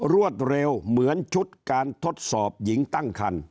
รวดเร็วเหมือนชุดการทดสอบหญิงตั้งคัน